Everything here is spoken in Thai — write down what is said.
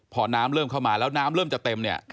พอน้ำเริ่มเข้ามาแล้วน้ำเริ่มจะเต็มเนี่ย